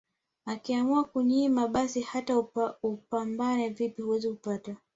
Akiamua kukunyima basi hata upambane vipi huwezi kupata